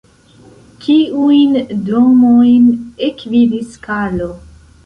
Kiujn domojn ekvidis Karlo?